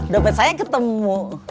dompet saya ketemu